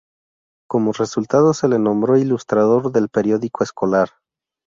Como resultado se le nombró ilustrador del periódico escolar.